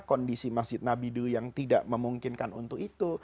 kondisi masjid nabi dulu yang tidak memungkinkan untuk itu